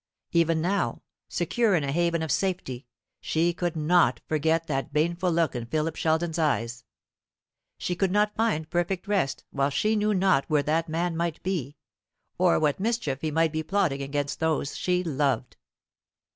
Even now, secure in a haven of safety, she could not forget that baneful look in Philip Sheldon's eyes. She could not find perfect rest while she knew not where that man might be, or what mischief he might be plotting against those she loved.